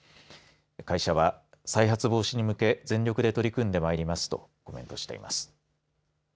会社は、再発防止に向け全力で取り組んで参りますとコメントしています。